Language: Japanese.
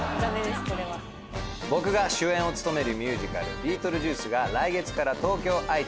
僕が主演を務めるミュージカル『ビートルジュース』が来月から東京愛知大阪で上演されます。